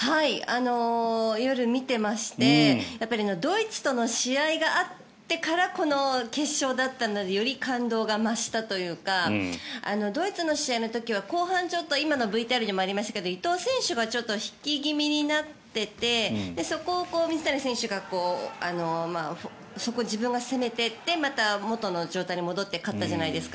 夜、見ていましてドイツとの試合があってからこの決勝だったのでより感動が増したというかドイツの試合の時は後半、ちょっと今のＶＴＲにもありましたけど伊藤選手が引き気味になっててそこを水谷選手が自分が攻めていって元の状態に戻って勝ったじゃないですか。